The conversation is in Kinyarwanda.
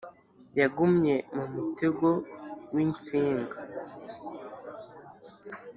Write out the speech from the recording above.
yagumye mumutego winsinga.